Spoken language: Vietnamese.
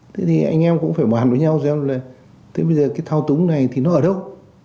thế thì anh em cũng phải bàn với nhau xem là thế bây giờ cái thao túng này thì nó ở đâu